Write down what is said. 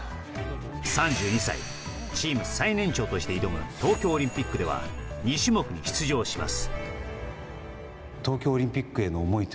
３２歳、チーム最年長として挑む東京オリンピックでは２種目に出場します。